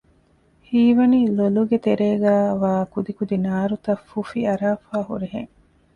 ހީވަނީ ލޮލުގެ ތެރޭގައިވާ ކުދިކުދި ނާރުތަށް ފުފި އަރާފައި ހުރިހެން